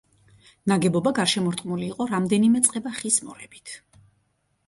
ნაგებობა გარშემორტყმული იყო რამდენიმე წყება ხის მორებით.